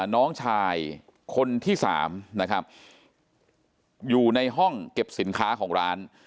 น้องชายคนที่สามนะครับอยู่ในห้องเก็บสินค้าของร้าน